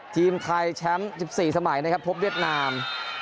ทีมไทยแชมป์๑๔สมัยนะครับพบเวียดนาม